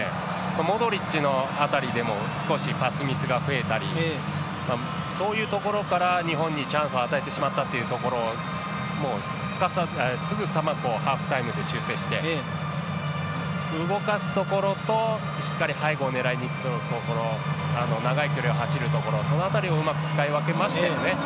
モドリッチの辺りでの、少しパスミスが増えたりそういうところから日本にチャンスを与えてしまったというところをすぐさまハーフタイムで修正して、動かすところとしっかり背後を狙いにいくところ長い距離を走るところその辺りをうまく使い分けましたよね。